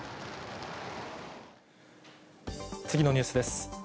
次のニュースです。